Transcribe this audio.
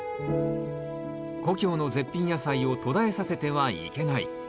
故郷の絶品野菜を途絶えさせてはいけない。